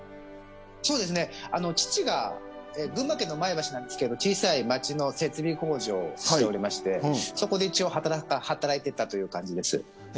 そうですね、父が群馬県の前橋なんですけど小さい町の設備工事をしておりましてそこで一応働いていたという感じです。